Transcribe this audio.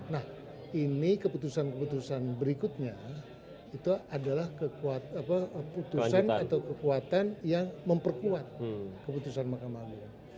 nah ini keputusan keputusan berikutnya itu adalah putusan atau kekuatan yang memperkuat keputusan mahkamah agung